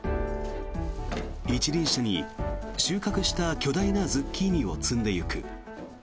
一輪車に収穫した巨大なズッキーニを積んでいく。